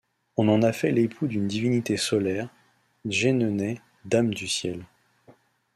On en a fait l’époux d’une divinité solaire, Tjenenet, Dame du ciel.